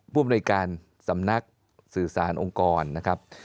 อำนวยการสำนักสื่อสารองค์กรนะครับ